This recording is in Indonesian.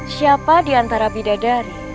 siapa diantara bidadari